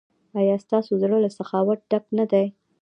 ایا ستاسو زړه له سخاوت ډک نه دی؟